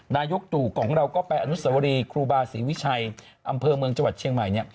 นายกตู่ของเราก็ไปอนุสวรีครูบาศรีวิชัยอำเภอเมืองจังหวัดเชียงใหม่เนี่ย